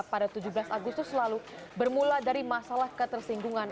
pada tujuh belas agustus lalu bermula dari masalah ketersinggungan